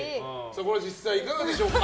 これは実際いかがでしょうか。